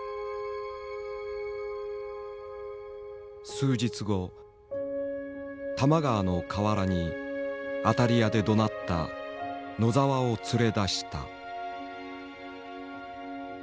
数日後多摩川の河原に「あたりや」でどなった野澤を連れ出した。